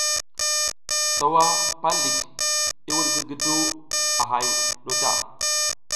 Sawa pal ɗik, i wuɗ zigiduw a hay ɗu o ta.